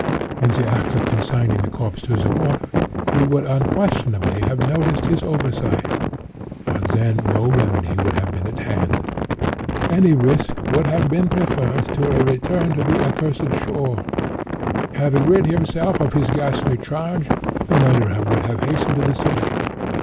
In the act of consigning the corpse to the water, he would unquestionably have noticed his oversight; but then no remedy would have been at hand. Any risk would have been preferred to a return to that accursed shore. Having rid himself of his ghastly charge, the murderer would have hastened to the city.